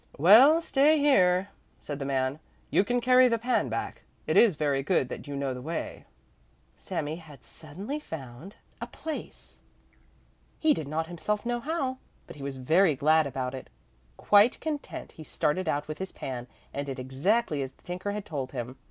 "Well, stay here," said the man; "you can carry the pan back; it is very good that you know the way." Sami had suddenly found a place; he did not himself know how, but he was very glad about it. Quite content, he started out with his pan and did exactly as the tinker had told him.